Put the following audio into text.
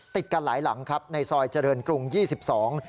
ติดกันหลายหลังครับในซอยเจริญกรุง๒๒